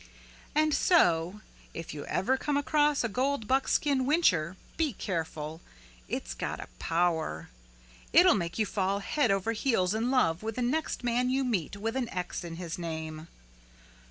And so if you ever come across a gold buckskin whincher, be careful. It's got a power. It'll make you fall head over heels in love with the next man you meet with an X in his name.